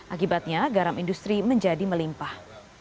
akibatnya garam industri menjadi melimpah